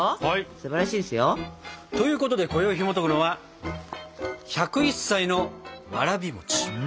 すばらしいですよ。ということでこよいひもとくのは「１０１歳のわらび餅」。